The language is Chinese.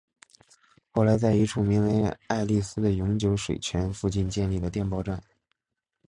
后来在一处名为爱丽斯的永久水泉附近建立了电报站。